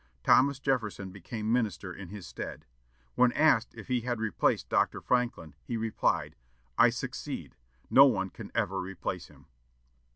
Thomas Jefferson became minister in his stead. When asked if he had replaced Dr. Franklin, he replied, "I succeed; no one can ever replace him."